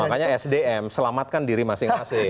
makanya sdm selamatkan diri masing masing